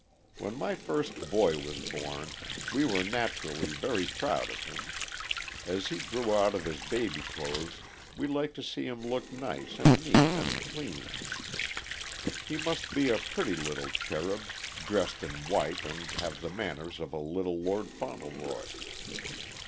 When my first boy was born, we were naturally very proud of him. As he grew out of his baby clothes we liked to see him look nice and neat and clean. He must be a pretty little cherub, dressed in white and have the manners of a Little Lord Fauntleroy.